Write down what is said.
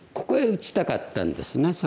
ここへ打ちたかったんですね。